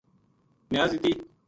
نیاز دِتی